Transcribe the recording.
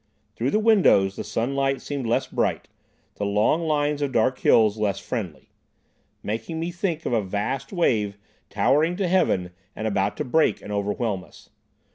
Through the windows the sunlight seemed less bright, the long line of dark hills less friendly, making me think of a vast wave towering to heaven and about to break and overwhelm us.